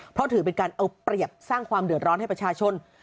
เพราะถือเป็นการเอาเปรียบสร้างความเดือดร้อนให้ประชาชน